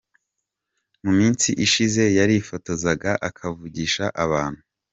Mu minsi ishize yarifotozaga akavugisha abantu.